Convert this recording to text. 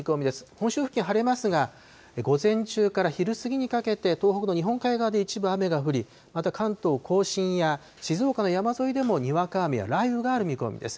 本州付近、晴れますが、午前中から昼過ぎにかけて東北の日本海側で一部雨が降り、また関東甲信や静岡の山沿いでもにわか雨や雷雨がある見込みです。